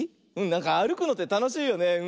なんかあるくのってたのしいよね。